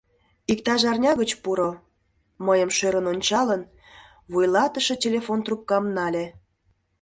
Иктаж арня гыч пуро, — мыйым шӧрын ончалын, вуйлатыше телефон трубкам нале.